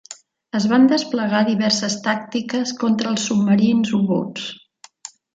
Es van desplegar diverses tàctiques contra els submarins U-boots.